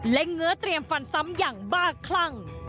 และเงื้อเตรียมฟันซ้ำอย่างบ้าคลั่ง